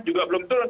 juga belum turun